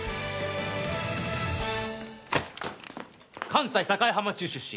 関西境浜中出身